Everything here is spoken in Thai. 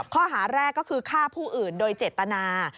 ข้อหาแรกก็คือฆ่าผู้อื่นโดยเจตนา